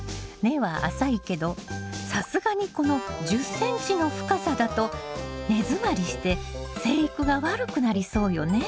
根は浅いけどさすがにこの１０ｃｍの深さだと根詰まりして生育が悪くなりそうよね。